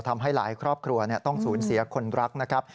ทำให้หลายครอบครัวต้องสูญเสียคนรักนะครับ